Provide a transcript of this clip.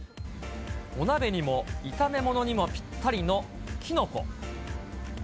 お鍋にも炒め物にもぴったりのきのこ。